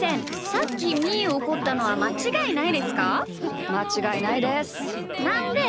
さっき、みーをおこったのはまちがいないですか？